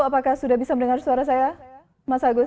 apakah sudah bisa mendengar suara saya mas agus